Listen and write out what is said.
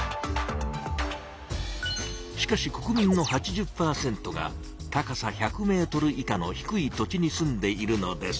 しかし国民の８０％が高さ１００ｍ以下の低い土地に住んでいるのです。